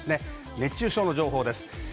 熱中症の情報です。